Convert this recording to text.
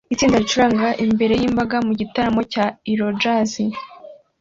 Itsinda ricuranga imbere yimbaga mu gitaramo cya Euro Jazz